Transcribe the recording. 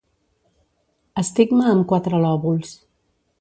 Estigma amb quatre lòbuls.